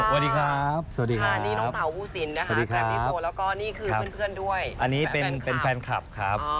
วันนี้หรือเปล่าคะ